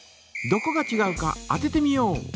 どこがちがうか当ててみよう！